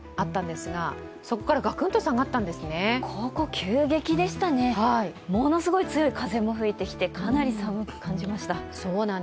急激でしたね、ものすごい強い風も吹いてきてかなり寒く感じました。